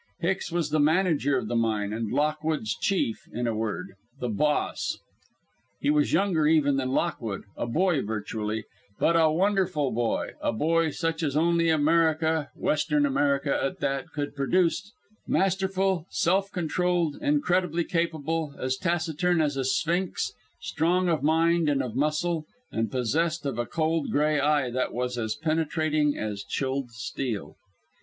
Hicks was the manager of the mine, and Lockwood's chief in a word, the boss. He was younger even than Lockwood, a boy virtually, but a wonderful boy a boy such as only America, western America at that, could produce, masterful, self controlled, incredibly capable, as taciturn as a sphinx, strong of mind and of muscle, and possessed of a cold gray eye that was as penetrating as chilled steel.